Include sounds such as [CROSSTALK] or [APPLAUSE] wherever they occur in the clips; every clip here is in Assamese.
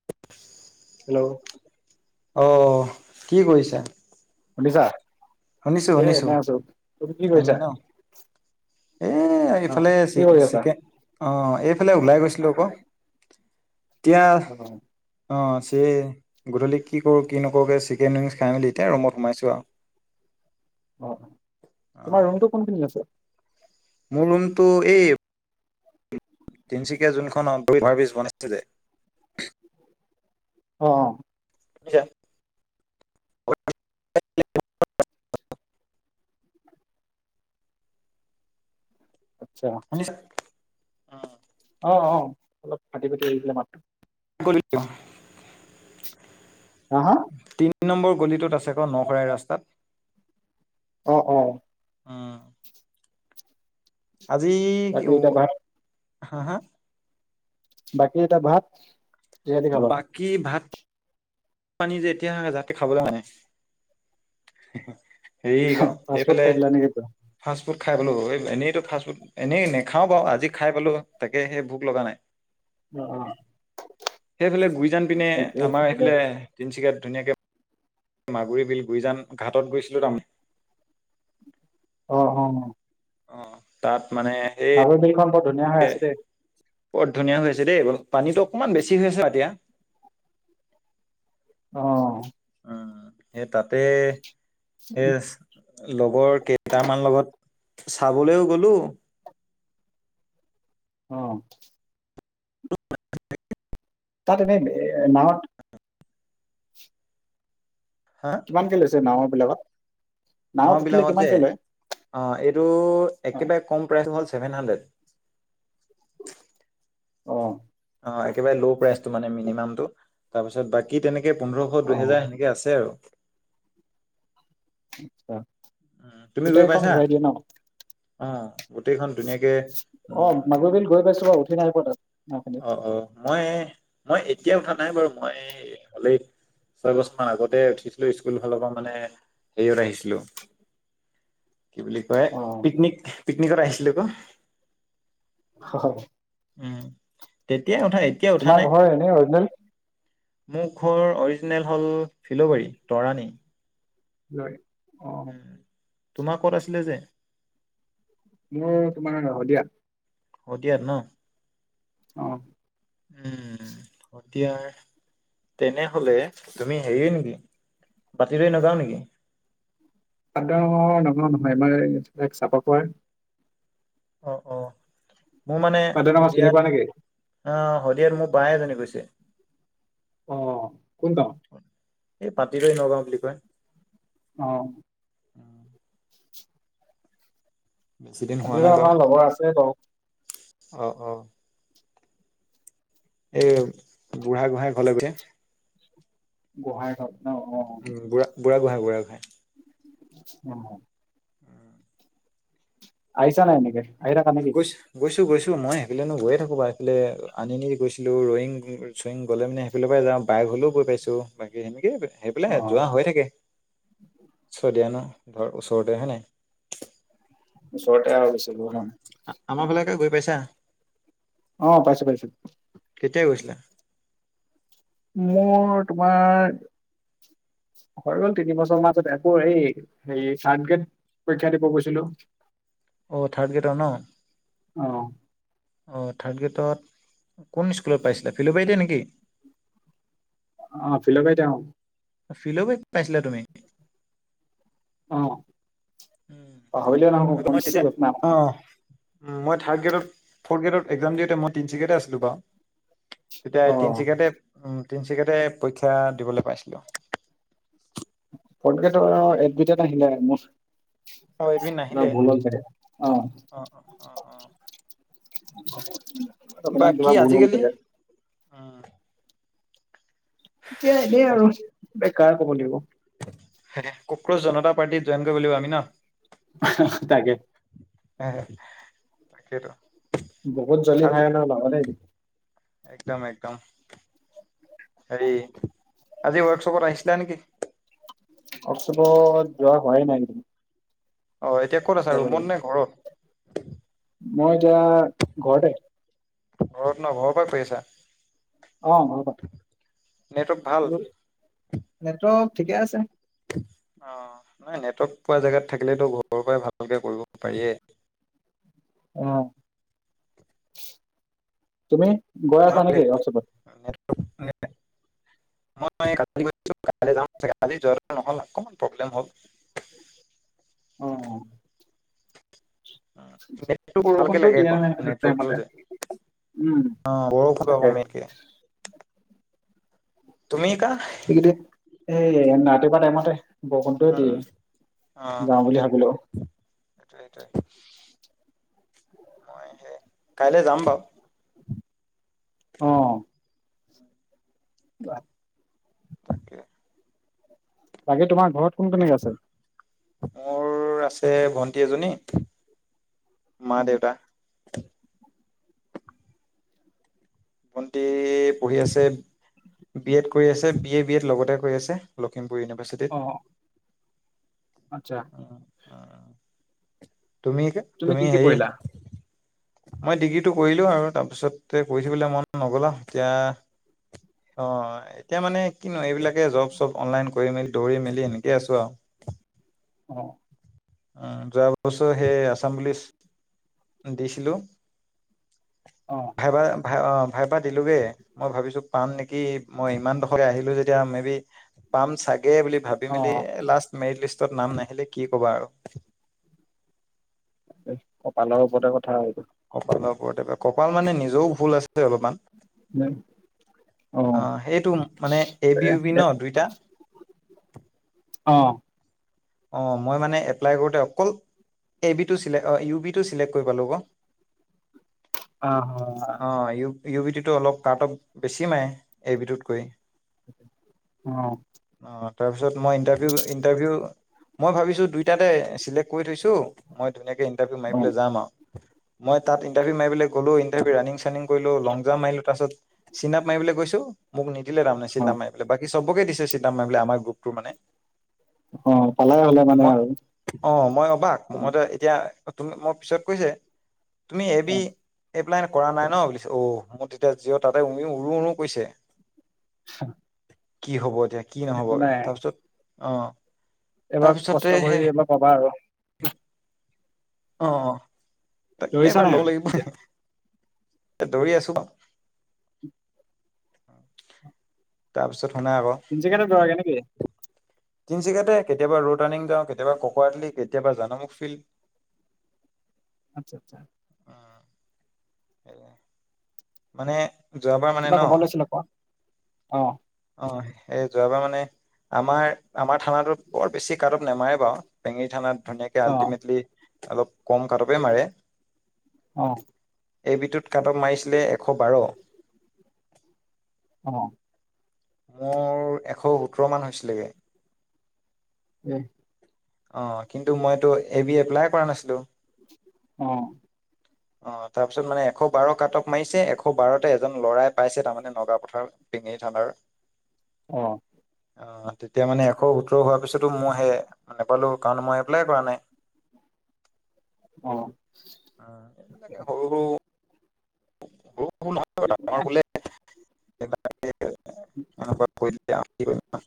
[INAUDIBLE] হেল্ল'! অঁ কি কৰিছা? শুনিছা? শুনিছো এ শুনিছো। এনে আছো তুমি কি এনে কৰিছা ন? এই অ ইফালে চি কি কৰি আছা চিকেন অঁহ এইফালে ওলাই গৈছিলো আকৌ এতিয়া অ অ গধূলি কি কৰো কি নকৰো কে চিকেন উইংছ খাই মেলি এতিয়া ৰুমত সোমাইছো আৰু। অঁ অ তোমাৰ ৰুমটো কোনখিনিত আছে? মোৰ ৰোমটো এই তিনিচুকীয়া যোনখন অভাৰব্ৰীজ বনাইছে যে অঁ অঁ [UNINTELLIGIBLE] আচ্ছা। শুনিছা অঁ অঁ অলপ ফাটি ফাটি আহিছে মাতটো। কলৈ যোৱা হা হা? তিন নম্বৰ গলিটোত আছে ক নখৰাইৰ ৰাস্তাত। অঁ অঁ। উম। আজি বাকী এতিয়া ভাত হা হা? বাকী এটিয়া ভাত? কিহেদি খালা বাকী ভাত পানী যে এতিয়াে যাতকে খাবলে মন নাই। হেৰি ক ফাষ্ট ফুড এইফালে খাই দিলা নেকি পুৰা ফাষ্ট ফুড খাই পালো এই এনেইতো ফাষ্ট ফুড এনেই নেখাও বাৰু আজি খাই পালো তাকে সেই ভোক লগা নাই। অ অ সেইফালে গুইজান পিনে একেই আমাৰ একেই এইফালে তিনচুকীয়াত ধুনীয়াকে মাগুৰি বিল গুইজান ঘাটত গৈছিলো তাৰমানে অঁ অঁ অঁ। অঁ তাত মানে সেই সেই বিলখন বৰ ধুনীয়া হৈ আছে দেই। বৰ ধুনীয়া হৈ আছে দেই এবল পানীটো অকণমান বেছি হৈ আছে আৰু এতিয়া। অঁহহ। উম, সেই তাতে সেই লগৰ কেইটামান লগত চাবলৈও গ'লো অঁহ। [UNINTELLIGIBLE] তাত এনেই এ নাৱত হা? কিমানক লৈছে নাও ৰ বিলাকত নাও বিলাকত যে অ এইটো অ একেবাৰে কম প্ৰাইচ হ'ল চছেভেন হানড্ৰেড অ অ একেবাৰে ল' প্ৰাইচটো মানে মিনিমামটো তাৰ পিছত বাকী তেনেকে পোন্ধৰশ অ দুইহেজাৰ সেনেকে আছে আৰু আ উম তুমি গৈ গোটেইখন পাইছা ঘূৰাই দিয়ে ন অ গোটেইখন ধুনীয়াকে অ উম মাগুৰ বিল গৈ পাইছোঁ বা উঠি নাই পোৱা তাত নাওখনিত। অ অ মই মই এতিয়া উঠা নাই বাৰু মই হলেই ছয় বছৰ মান আগতে উঠিছিলো স্কুল ফালৰ পৰা মানে হেৰিয়ত আহিছিলো কি বুলি কয় অ পিকনিক পিকনিকত আহিছিলো ক হয় হয় উম তেতিয়াই উঠাই তোমাৰ ঘৰ এনে অৰ্জিনেল মোৰ ঘৰ অৰ্জিনেল হ'ল ফিল'বৰী তৰাণী হয় অ উম তোমাৰ ক'ত আছিলে যে মোৰ তোমাৰ শদিয়া অ' শদিয়াত ন অঁ উম শদিয়াৰ তেনেহলে তুমি হেৰিয়ে নেকি পাটিদৈ নগাঁও নেকি [UNINTELLIGIBLE] অ অ মোৰ মানে পাটদাঙৰ চিনি পোৱা নেকি? শদিয়াত অ হদিয়াত মোৰ বাই এজনি গৈছে অ কোন গাওঁ এই পাাটিদৈ নগাঁও বুলি কয় অ বেছি দিন হোৱা আজি নাই বাৰু আমাৰ লগৰ আছে বাৰু অ অ এই বুঢ়া গোঁসাই ঘৰলৈ গৈছে গোহাঁই গাওঁ উম বুঢ়া গোহাঁই বুঢ়া গোহাঁই অ [UNINTELLIGIBLE] আহিছা নাই এনেকে আহি থাকা নেকি? গৈছো গৈছো গৈছো মই এফালেনো গৈ থাকো বা এইফালে আনি নি গৈছিলো ৰয়িং গৈ চুইং গলে মানে সেইফালৰপৰা যাওঁ বাই ঘৰলেও গৈ পাইছো বাকী সেনেকে সেই পেলাই অ যোৱা হৈ থাকে শদিয়া ন ঘৰ ওচৰতে হয় নাই ওচৰতে আ বেছি দুৰ নহয় তাকে গৈ পাইছা অ পাইছো পাইছো কেতিয়া গৈছিলা মোৰ তোমাৰ হৈ গ'ল তিনি বছৰ মাজত আকৌ এই, হেৰি থাৰ্ড গ্ৰেড', পৰীক্ষা দিব গৈছিলোঁ', অ', থাৰ্ড গ্ৰেডৰ ন? অহ', অ', থাৰ্ড গ্ৰেডত, কোন স্কুলত পাইছিলা, ফিল'বাৰীতে নেকি? অ', ফিল'বাৰীতে অ', অ', ফিল'বাৰীত পাইছিলা তুমি? অহ', উম, পাহৰিলোঁ নহয় নহ'লে মই অবিশ্বাস্য তেতিয়া ঘটনা ', অ' মই থাৰ্ড গ্ৰেডত, ফৰ্থ গ্ৰেডৰ একজাম দিওঁতে মই তিনিচুকীয়াতে আছিলোঁ বাৰু', তেতিয়া অ এই তিনিচুকীয়াতে, উম', তিনিচুকীয়াতে পৰীক্ষা দিবলৈ পাইছিলোঁ', থাৰ্ড গ্ৰেডৰ এডমিট এ নাহিলে মোৰ', অ' এডমিন কিবা নাহিলে ভুল হ'ল চাগে, অহ', অ' অ' অ' অ' অকমান বাকী কিবা ভুল হ'ল আজিকালি চাগে', উম', এতিয়া এনেই আৰু, বেকাৰ ক'ব লাগিব', হেহে', ককৰোচ জনতা পাৰ্টিত জইন কৰিব লাগিব আমি ন', হাহা', তাকে', হেহে', তাকেইতো', বহুত জলদি আজি ভাইৰেল হৈ গ'ল তাকেইতো', একদম - একদম', হেৰি, আজি ৱৰ্কশ্বপত আহিছিলা নেকি? ৱৰ্কশ্বপত, যোৱা হোৱাই নাই এইকেইদিন', অ', এতিয়া ক'ত আছা ৰুমত নে ঘৰত? মই এতিয়া, ঘৰতে', ঘৰত ন, ঘৰৰ পৰাই কৰি আছা? অহ', ঘৰৰ পৰা', উম', নেটৱক ঠিকে আছে নে? অ', নাই, নেটৱৰ্ক পোৱা জেগাত থাকিলেতো ঘৰৰ পৰাই ভালকে কৰিব পাৰিয়েই', অ', তুমি গৈ আছা নেকি ৱৰ্কশ্বপত? [UNINTELLIGIBLE] মই কালি গৈছিলোঁ তালৈ যাৱ চাগে আজি যোৱাতো নহ'ল অকমান প্ৰব্লেম হ'ল', অহ', নেটটো ভালকে বৰষুণটো লাগে দিয়া আকৌ নাই সেইটো নেটৱৰ্কটো টাইমতে', যে উম', অ বৰষুণটো আকৌ তাকেই ', মেইনকে তুমি কা এইকেইদিন, এই - এই, ৰাতিপুৱা টাইমতে', বৰষুণটোয়ে উম উম দিয়ে, অ যাওঁ বুলি ভাবিলোঁ', সেইটোৱে - সেইটোৱে, মই সেই, কাইলৈ যাম বাৰু', অহ', বা', তাকে', বাকী তোমাৰ ঘৰত কোন - কোনে আছে? মোৰ আছে ভন্টি এজনী, মা অ দেউতা', ভণ্টি পঢ়ি আছে', বি এড কৰি আছে, বি এ বি এড লগতে কৰি আছে, লখিমপুৰ ইউনিভাৰ্চিটি', অঁ! আচ্ছা! তুমিকা তুমি কি কি হেৰি পঢ়িলা মই ডিগ্ৰীটো কৰিলো! আৰু তাৰপিছতে পঢ়ি থাকিবলৈ মন নগ'ল আৰু এতিয়া অ এতিয়া মানে কিনো এইবিলাকে জব চব অনলাইন কৰি মেলি দৌৰি মেলি এনেকে আছো আৰু। অ, উম! যোৱা বছৰ সেই আছাম পুলিচ দিছিলো। অ ভাইবা, ভাই অ ভাইবা দিলোগে, মই ভাবিছোঁ পাম নেকি মই ইমানডখলে আহিলোঁ যেতিয়া। মে বি পাম চাগে, বুলি ভাবি অ মেলি লাষ্ট মেৰিট লিষ্টত নাম নাহিলে কি কবা আৰু। এই কপালৰ ওপৰতে কথা সেইটো। কপালৰ ওপৰতে! কপাল মানে নিজেও ভুল আছিলে অলপমান। অ সেইটো মানে এ বি, ইউ বি, ন দুইটা অঁ! অ, মই মানে এপ্লাই কৰোতে অকল এ বি টো চিলে অ ইউ বি টো চিলেক্ট কৰি পালো ক। [UNINTELLIGIBLE] অ ই ইউ বি টো অলপ কাটপ বেছি মাৰে - এ বি টোতকৈ। অ, অ, তাৰপিছত মই ইণ্টাৰভিউ, ইণ্টাৰভিউ মই ভাবিছো দুইটাতে চিলেক্ট কৰি থৈছো মই ধুনীয়াকে ইন্টাৰভিউ অ মাৰিবলে যাম আৰু। মই তাত ইণ্টাৰভিউ মাৰিবলৈ গলো ইণ্টাৰউ ৰানিং, চানিং কৰিলো লং জাম্প মাৰিলোঁ, তাৰপাছত চিনাপ মাৰিবলৈ গৈছোঁ, মোক নিদিলে তাৰমানে অ চিন্তাপ মাৰিবলৈ বাকী চবকে দিছে চিন্তাপ মাৰিবলৈ আমাৰ গ্ৰুপটো মানে। [UNINTELLIGIBLE] মই অ মই অবাক, মইত এতিয়া তুমি, মই পিছত কৈছে তুমি এ অ বি এপ্লাই কৰা নাই ন বুলিছে? অ মোৰ তেতিয়া জিঅ তাতে উৰি, উৰো উৰো কৰিছে। [UNINTELLIGIBLE] কি হ'ব এতিয়া! কি নহ'ব একো তাৰপিছত অ এবাক তাৰপিছতে কষ্ট সে কৰি এইবাৰ পাবা আৰু। অ তাকে, দৌৰিছা এবাৰ নাই ল'ব লাগিব। এতিয়া এ দৌৰি আছো বাও। তাৰপিছত শুনো ক! তিনচুকীয়াতে যোৱাগে নেকি? তিনিচুকীয়াতে, কেতিয়াবা ৰড ৰাৰ্নিং যাওঁ। কেতিয়াবা ককৰাতলি, কেতিয়াবা জানমুখ ফিল্ড। আচ্ছা, আচ্ছা, মানে, যোৱাবাৰ মানে কিবা ন কব লৈছিলা কোৱা অ অ সেই যোৱাবাৰ মানে আমাৰ আমাৰ থানাতোত বৰ বেছি কাটব নামাৰে বাৰু। পেঙেৰি থানাত ধুনীয়াকে অ আল্টিমেটলি অলপ কম কাটৱে মাৰে। অঁ! এ বিটোত কাটব মাৰিছিলে- এশ বাৰ। অঁ! মোৰ এশ সোতৰ মান হৈছিলেগে। উম! অ, কিন্তু মইতো এবি এপ্লাই কৰা নাছিলো। আহ অ তাৰপিছত মানে এশ বাৰ কাটক মাৰিছে এশ বাৰতে এজন লৰাই পাইছে তাৰমানে নগাও পথাৰত পিঙি থানাৰ অঁ অ তেতিয়া মানে এশ সোতৰ হোৱাৰ পিছতো মই সে নোপালো কাৰণ মই এপ্লাই কৰা নাই। অ এই বিলাক সৰু সৰু ৰু নহ আম বোলে [UNINTELLIGIBLE] কৰি কি কৰি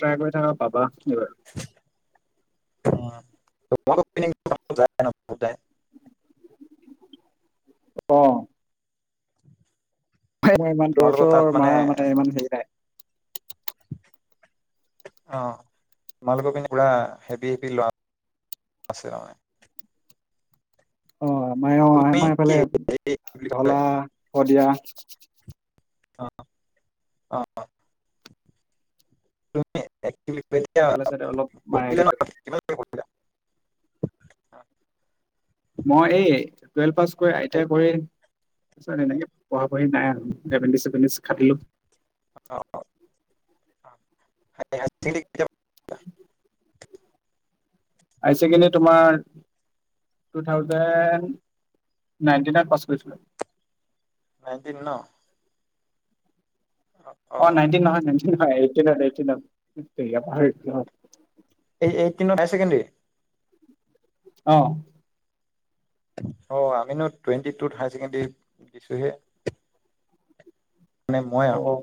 ট্ৰাই কৰি থাক পাবা এইবাৰ অ [UNINTELLIGIBLE] অঁ মই ইমান দূৰ তোমালোকৰ তাত চৰ মা মানে ইমান হেৰি নাই। [INAUDIBLE] অ তোমালোকৰ পিনে পুৰা হেভি হেভি লৰা আছে হয়। অ আমাৰ অ তুমি আমাৰ কি এইফালে হেৰি কি বুলি কয় ঢলা, শদিয়া, অ অ তুমি একত্ৰিত বেয়া যাতে অলপ মাৰে [UNINTELLIGIBLE] মই এই টুৱেলভ পাছ কৰি এইতয়া সেইটো কৰিম পিছত এনেকে প়াঢ়ি নাই আৰু এপেণ্ডিছ চেপেণ্ডিছ খাটিলো অ উ হাই ছেকেণ্ডাৰী তোমাৰ টু থাউজেণ্ড নাইনটিনত পাছ কৰিছিলো। নাইনটিন ন অ নাইনটিন নহয় নাইনটিন নহয়। এইটিনত এইটিনত সেইটেৰীকা পাহৰি গৈছিলো। এইটিনৰ হাইছেকেণ্ডাৰী অ অ আমিনো টুৱেণ্টি টুত হাই ছেকেণ্ডৰী দিছোহে মানে মই আৰু অ',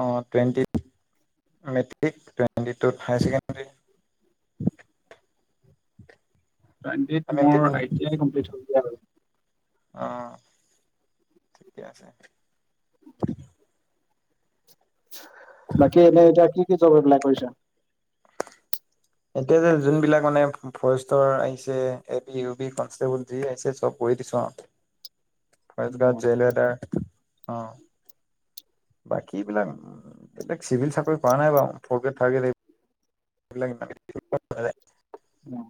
অঁ টুৱেণ্টি মেট্ৰিক টুৱেণ্টি টুত হায়াৰ ছেকেণ্ডেৰী টুৱেট আমি মেট্ৰিক মোৰইিই কম্লিট হৈ আৰু অ ঠিকে আছে। বাকী এনেই এতিয়া কি কি জপএইবিলাক কৰিছা? এতিয়া যে যোনবিলাক মানে ফৰেষ্টৰ আহিছে A B U B constable যি আহিছে চব কৰি দিছো আৰু চে ফৰেছগাড জেলেদাৰ অ বাকী এইবিলাক বেলেগ চিভিল চাকৰি কৰা নাই বাৰু ফ গ্ৰেড থাৰড গ্ৰেড বেলেগ মানুহ। উম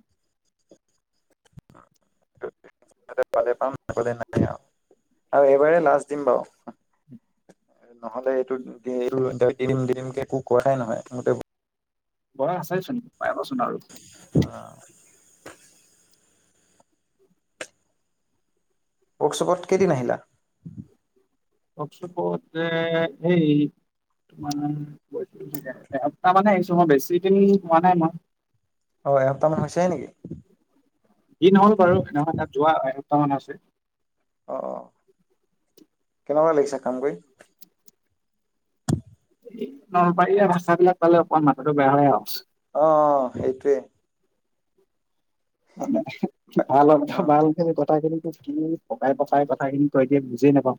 পালে পাম নাপালে নাই আৰু -আৰু এইবাৰ লাষ্ট দিম বাৰু নহ'লে এইটো এইটো এৰিম দিৰিম কেে একো কাই নহয় মতে- বৰ আছে চোন পাই যাচোন আৰু- অ ৱৰ্কশ্বপত কেইদিন আহিলা? ৱাৰ্কচপতে সেই মান এসপ্তাহ মানে আহিছো মই বেছি দিন হোৱা নাই মই। অহ এসপ্তাহ মান হৈছে হে নেকি? যি নহল বাৰু এসপ্তাহ তাত যোৱা এসপ্তাহ মান আছে। অ অ কেনেকুৱা লাগিছে কাম কৰি? ঠিকেই নলবাৰী ভাষা বিলাক পালে অকণমান মাথাটো বেয়া হৈ আও। অহ সেইটোৱে। মানে ভাল অ ভাল খিনি কথাখিনি কি পকাই পকাই কথাখিনি কৈ দিয়ে বুজেই নাপাওঁ।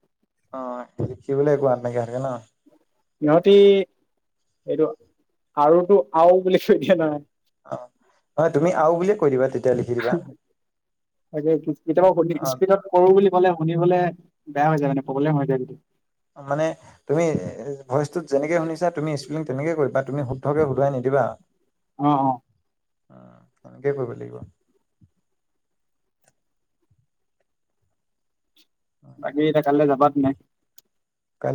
অহ লিখিবলে একো আট নাইকিয়া হয় থাকে ন সিহঁতি এইটো আৰুটো আও বুলি কৈ দিয়া ন। অহ হয় তুমি আও বুলিয়ে কৈ দিবা তেতিয়া লিখি দিবা। তাকে কেতিয়াবা সুধি স্পীডত কৰো অ বুলি ক'লে শুনিবলে বেয়া হৈ যায় মানে প্ৰব্লেম হৈ যায়। অ মানে তুমি ভইচটো যেনেকে শুনিছা তুমি ইস্পলিং তেনেকে কৰিবা তুমি শুদ্ধকে সোধুৱাই নিদিবা। অহ অহ অহ তেনেকে কৰিব লাগিব। উম, বাকী এতিয়া কালিলে যাবা তেনে কাইলৈ